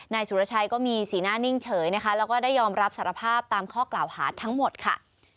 นายสุรชัยก็มีสีหน้านิ่งเฉยนะคะแล้วก็ได้ยอมรับสารภาพตามข้อกล่าวหาทั้งหมดค่ะ